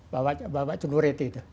bawa celurit itu